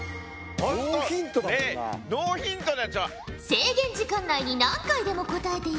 制限時間内に何回でも答えていいぞ。